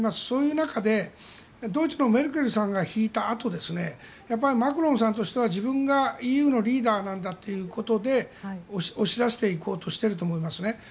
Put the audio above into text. そういう中でドイツのメルケルさんが退いたあとマクロンさんとしては自分がＥＵのリーダーということで押し出していこうとしていると思います。